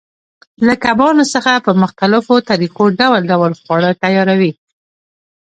له کبانو څخه په مختلفو طریقو ډول ډول خواړه تیاروي.